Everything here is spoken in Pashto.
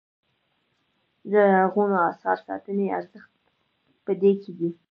د لرغونو اثارو ساتنې ارزښت په دې کې دی.